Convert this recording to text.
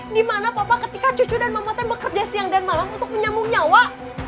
dimana papa ketika cucu dan mama teh bekerja siang dan malam untuk menyambung nyawa